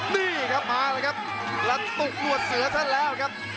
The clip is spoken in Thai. นี่ครับมาแล้วครับแล้วตุกรวดเสือเสร็จแล้วครับ